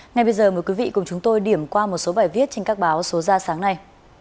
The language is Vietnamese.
ngay bây giờ mời quý vị cùng chúng tôi điểm qua một số bài viết trên các báo số ra sáng nay